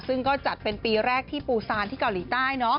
ซึ่งก็จัดเป็นปีแรกที่ปูซานที่เกาหลีใต้